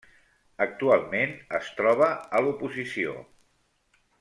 Actualment, es troba a l'oposició.